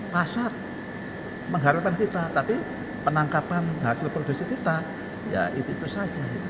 pasar mengharukan kita tapi penangkapan hasil produksi kita ya itu itu saja